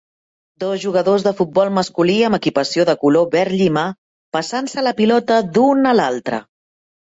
Dos jugadors de futbol masculí amb equipació de color verd llima passant-se la pilota d'un a l'altre.